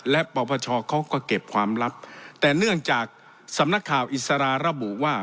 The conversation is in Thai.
และปปชเขาก็เก็บความลับแต่เนื่องจากสำนักข่าวอิสระระบุว่า